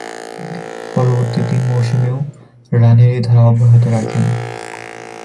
পরবর্তী তিন মৌসুমেও রানের এ ধারা অব্যাহত রাখেন।